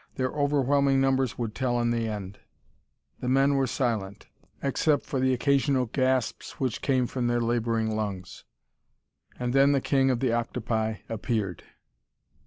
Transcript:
Their overwhelming numbers would tell in the end.... The men were silent, except for the occasional gasps which came from their laboring lungs. And then the king of the octopi appeared.